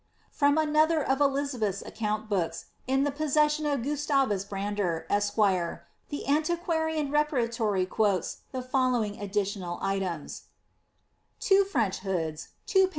From another of Elizabeth's account books, in possession of Gus tavus Brander, esq., the Antiquarian Repertory quotes the following ad ditional items :—'^ Two French hoods, 2l 9s.